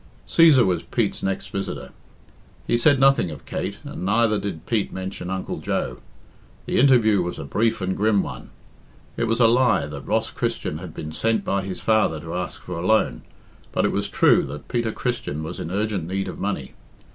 Cæsar was Pete's next visitor. He said nothing of Kate, and neither did Pete mention Uncle Joe. The interview was a brief and grim one. It was a lie that Ross Christian had been sent by his father to ask for a loan, but it was true that Peter Christian was in urgent need of money.